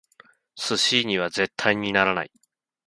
寿司には絶対にならない！